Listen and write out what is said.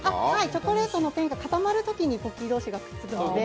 チョコレートのペンが固まるときにポッキー同士がくっつくので。